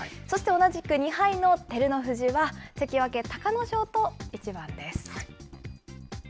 そして同じく２敗の照ノ富士は、関脇・隆の勝との一番です。